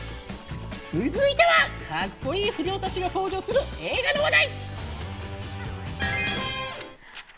続いてはカッコいい不良たちが登場する映画の話題！